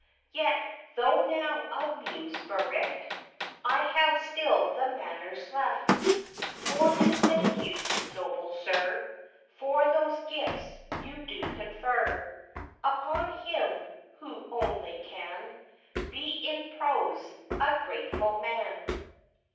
Yet, though now of Muse bereft, I have still the manners left For to thank you, noble sir, For those gifts you do confer Upon him, who only can Be in prose a grateful man.